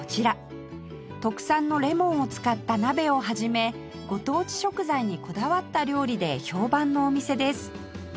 特産のレモンを使った鍋を始めご当地食材にこだわった料理で評判のお店です